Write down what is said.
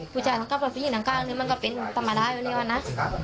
ผู้ชายขับบอดผู้หญิงด้านข้างเนี่ยมันก็เป็นธรรมดาอยู่เนี่ยวะนะ